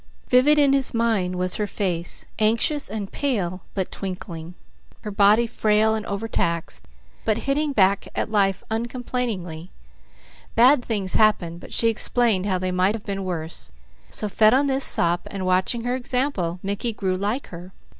Vivid in his mind was her face, anxious and pale, but twinkling; her body frail and overtaxed, but hitting back at life uncomplainingly. Bad things happened, but she explained how they might have been worse; so fed on this sop, and watching her example, Mickey grew like her.